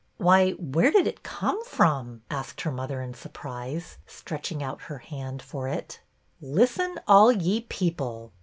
Why, where did it come from ?" asked her mother, in surprise, stretching out her hand for it. '' Listen, all ye people